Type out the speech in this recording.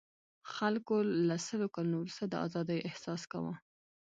خلکو له سلو کلنو وروسته د آزادۍاحساس کاوه.